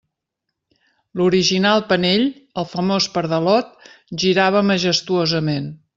L'original penell, el famós pardalot, girava majestuosament.